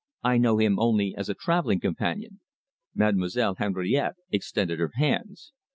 "I know him only as a travelling companion." Mademoiselle Henriette extended her hands.